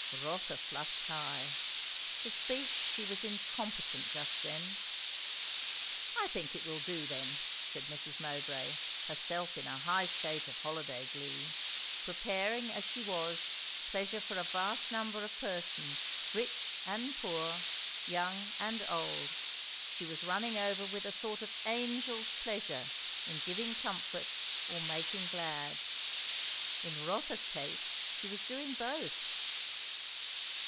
Rotha flushed high; to speak she was incompetent just then. "I think it will do then," said Mrs. Mowbray, herself in a high state of holiday glee; preparing, as she was, pleasure for a vast number of persons, rich and poor, young and old; she was running over with a sort of angel's pleasure in giving comfort or making glad. In Rotha's case she was doing both.